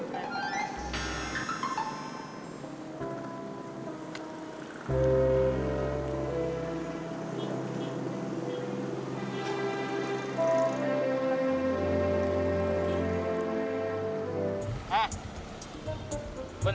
tujuh wallet yang tahu buang